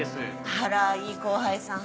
あらいい後輩さん